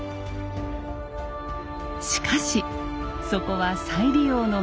しかしそこは再利用の町江戸。